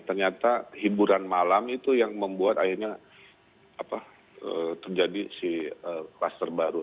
ternyata hiburan malam itu yang membuat akhirnya terjadi si kluster baru